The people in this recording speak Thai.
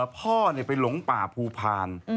พ่อไปหลงป่าภูพาล